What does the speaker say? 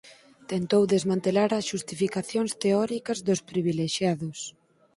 Tentou desmantelar as xustificacións teóricas dos privilexiados.